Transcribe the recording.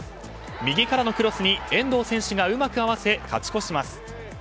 右からのクロスに遠藤選手がうまく合わせ勝ち越します。